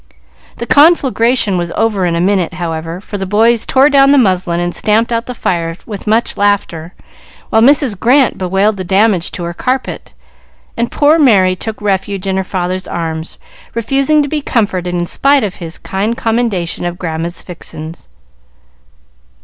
The conflagration was over in a minute, however, for the boys tore down the muslin and stamped out the fire with much laughter, while Mrs. Grant bewailed the damage to her carpet, and poor Merry took refuge in her father's arms, refusing to be comforted in spite of his kind commendation of "Grandma's fixins."